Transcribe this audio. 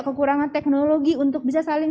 kekurangan teknologi untuk bisa saling